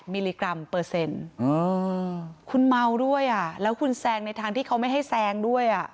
มิลลิกรัมเปอร์เซ็นต์คุณเมาด้วยแล้วคุณแซงในทางที่เขาไม่ให้แซงด้วย